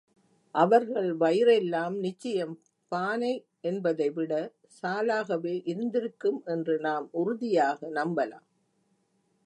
அவர்கள் வயிறெல்லாம் நிச்சயம் பானை என்பதை விட சாலாகவே இருந்திருக்கும் என்று நாம் உறுதியாக நம்பலாம்.